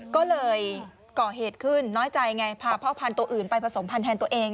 ก็เลยก่อเหตุขึ้นน้อยใจไงพาพ่อพันธุ์ตัวอื่นไปผสมพันธ์ตัวเอง